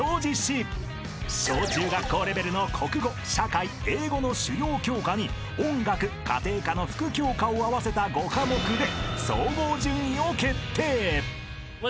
［小中学校レベルの国語社会英語の主要教科に音楽家庭科の副教科を合わせた５科目で］